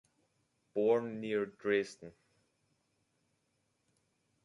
Born near Dresden.